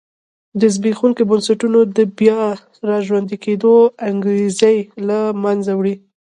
د زبېښونکو بنسټونو د بیا را ژوندي کېدو انګېزې له منځه وړي.